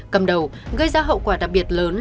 cầm đầu gây ra hậu quả đặc biệt lớn